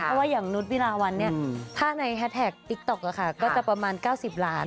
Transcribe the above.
เพราะว่าอย่างนุษย์วิราวันเนี่ยถ้าในแฮสแท็กติ๊กต๊อกก็จะประมาณ๙๐ล้าน